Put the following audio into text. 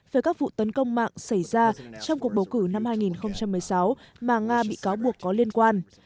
về các vụ tấn công mạng xảy ra trong cuộc bầu cử năm hai nghìn một mươi sáu mà nga bị cáo buộc có liên quan